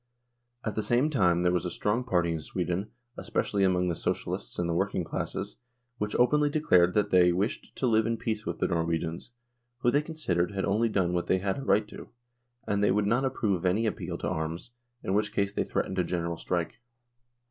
At the same time there was a strong party in Sweden, especially among the Socialists and the working classes, which openly declared that they wished to live in peace with the Norwegians, who, they considered, had only done what they had a right to, and they would not approve of any appeal to arms, in which case they threatened a general strike.